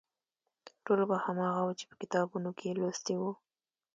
ټول به هماغه و چې په کتابونو کې یې لوستي وو.